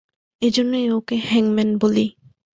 এজন্যই ওকে হ্যাংম্যান বলি।